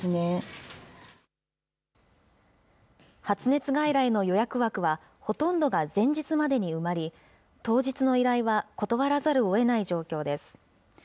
発熱外来の予約枠は、ほとんどが前日までに埋まり、当日の依頼は断らざるをえない状況です。